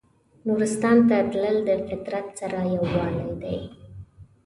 نورستان ته تلل د فطرت سره یووالی دی.